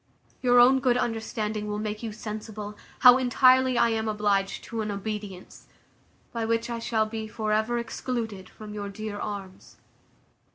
Your own good understanding will make you sensible, how entirely I am obliged to an obedience, by which I shall be for ever excluded from your dear arms.